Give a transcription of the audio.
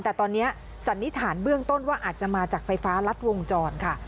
แต่ตอนนี้สันนิษฐานเบื้องต้นว่าอาจจะมาจากไฟฟ้ารัดวงจรค่ะ